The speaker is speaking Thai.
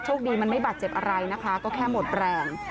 คดีมันไม่บาดเจ็บอะไรนะคะก็แค่หมดแรง